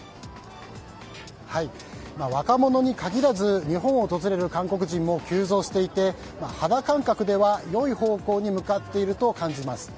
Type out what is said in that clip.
若者に限らず日本を訪れる韓国人も急増していて、肌感覚では良い方向に向かっていると感じます。